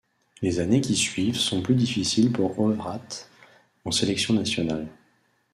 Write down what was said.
Les années qui suivent sont plus difficiles pour Overath en sélection nationale.